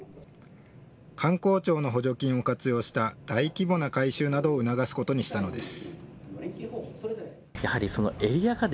観光庁の補助金を活用した大規模な改修などを促すことにしたのです。